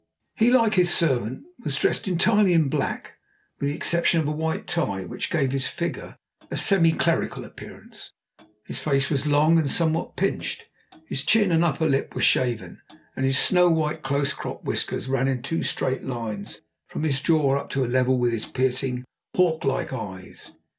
He, like his servant, was dressed entirely in black, with the exception of a white tie, which gave his figure a semi clerical appearance. His face was long and somewhat pinched, his chin and upper lip were shaven, and his snow white, close cropped whiskers ran in two straight lines from his jaw up to a level with his piercing, hawk like eyes.